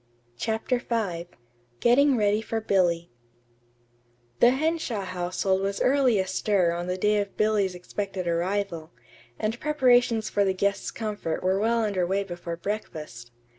CHAPTER V GETTING READY FOR BILLY The Henshaw household was early astir on the day of Billy's expected arrival, and preparations for the guest's comfort were well under way before breakfast.